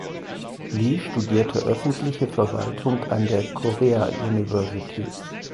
Lee studierte öffentliche Verwaltung an der Korea University.